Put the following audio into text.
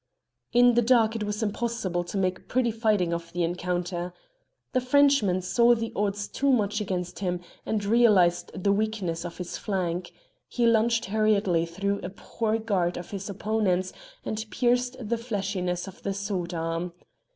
In the dark it was impossible to make pretty fighting of the encounter. The Frenchman saw the odds too much against him, and realised the weakness of his flank; he lunged hurriedly through a poor guard of his opponent's, and pierced the fleshiness of the sword arm.